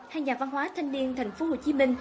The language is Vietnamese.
hay nhà văn hóa thanh niên tp hcm